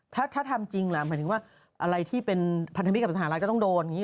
ถ้าทำจริงแหละหมายถึงว่าอะไรที่เป็นพันธมิตกับสหราชก็ต้องโดน